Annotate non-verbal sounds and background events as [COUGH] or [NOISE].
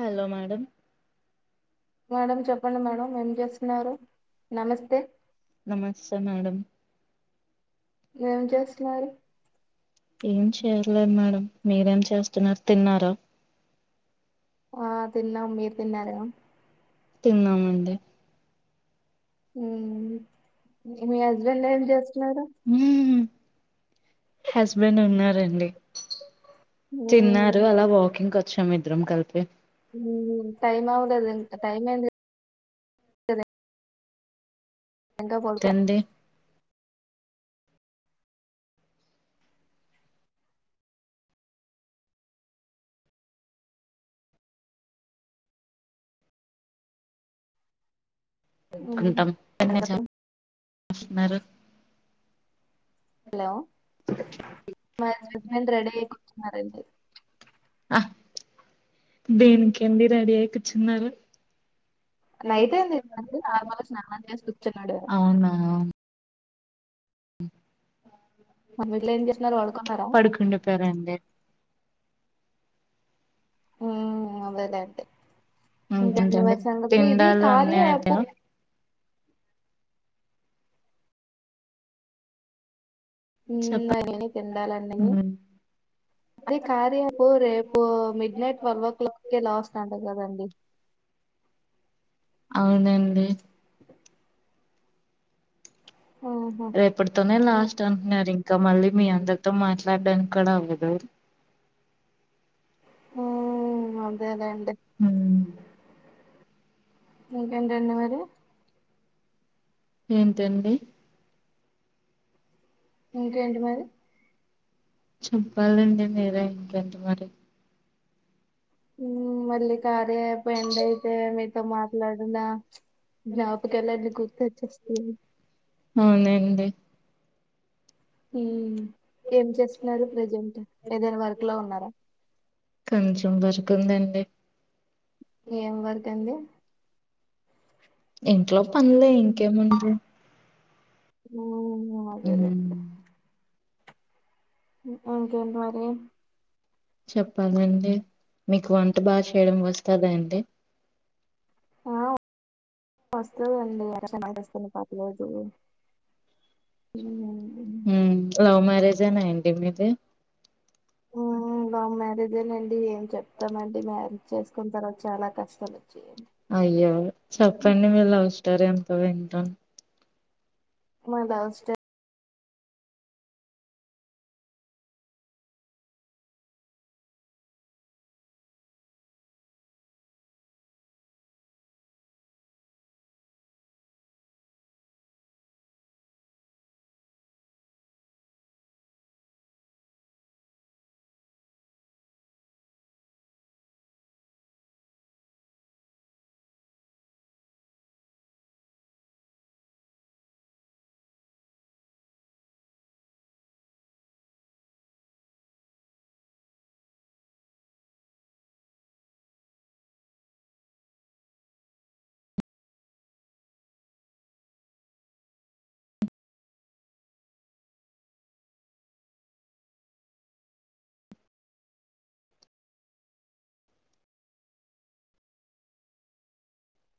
hello madam madam చెప్పండి madam ఏం చేస్తున్నారు నమస్తే నమస్తే మేడంమ్ ఏం చేస్తున్నారు ఏం చేయాలలేదు మేడం మీరేం చేస్తున్నారు తిన్నారా ఆ తిన్నా మీరు తిన్నార తిన్నామడి మీ హస్బెండ్ ఏం చేస్తున్నారు హస్బెండ్ ఉన్నారండి తిన్నారు అలా వాకింగ్ వచ్చాం ఇద్ద్రం కలిపి టైమా ఉదు అదు టైమా కా పోడుక [UNINTELLIGIBLE] హలో మా హస్బెండ్ రెడీ అయిపోంటున్నారండి [UNINTELLIGIBLE] చిన్నారు నైతే అంది నార్మల్గా స్నానం చేసి కూర్చున్నాడు అ మమ్ ఇట్లా ఏం చేస్తున్నారు వాడుకున్నారా ఉ అదేలేండి ఇకా అ మ సంగదులో ఇదే కార్య ఆప్ ఉ అయిని తిండాలండిని అది కారయాపు రేపు midnight twelve o'clock క లాస్ట్ అంట కదండి అవునండి రేపటితోనే లాస్ట్ అంటున్నారు ఇంకా మళ్ళీ మీ అందరితో మాట్ [UNINTELLIGIBLE] అదే అదేండి హ మీక ఎంట ఉన్న మరి ఏంటండి ఇంక ఏంటి మరి చెప్పాలండి మీరే ఇట్ంటే మరి మళ్ళీ కార్యపు ఎండ అయితే మీతో మాట్లాడుందా జాపక ఎలా అ గుర్త వచ్చస్త అవునండి ఏం చేస్తున్నారు ప్రజెంట్ ఏదైనా వర్క్ లో ఉన్నారా కొంచం వర్క్ ఉండండి ఏం వర్క్ అండి ఇంట్లో పనులే ఇంకేముంది ఉ అదేలే ఇంకేంటి మరి చెప్పాలండి మీకు వంట బాగా చేయడం వస్తుందండి ఆ వస్తుంది అండి ఎక్కకనా వస్తుంది ప్రతి రోజు లవ్ మ్యారేజ్ అనా అండి మీది ఓ లవ్ మ్యారేజేనండి ఏం చెప్తామండి మ్యారేజ్ చేసుకున్న తర్వాత చాలా కష్టాలు అయ్యా చెప్పండి మీరు లవ్ స్టారీ అంత వింటాను మా లవ్స్టోస్టోరీ